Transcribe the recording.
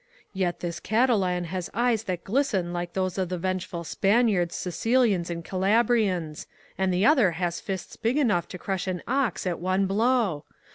Yet this Catalan has eyes that glisten like those of the vengeful Spaniards, Sicilians, and Calabrians, and the other has fists big enough to crush an ox at one blow.